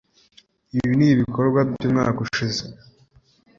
ibi ni ibikorwa by'umwaka ushize